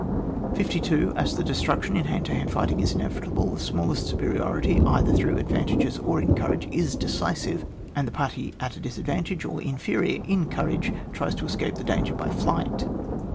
52. As the destruction in hand to hand fighting is inevitable, the smallest superiority either through advcmtages or in courage is decisive, and the party at a disadvantage, or inferior in courage, tries to escape &e danger by flight.